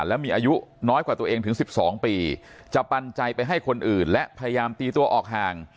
และมีอายุน้อยกว่าตัวเองถึง๑๒ปีจะปันใจไปให้คนอื่นและพยายามตีตัวออกห่าง